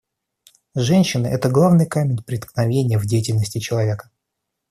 Женщины — это главный камень преткновения в деятельности человека.